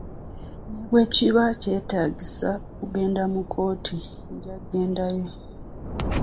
Ne bwe kinaaba kitegeeza kugenda mu kkooti, nja kugendayo.